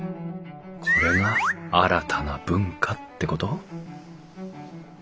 これが新たな文化ってこと？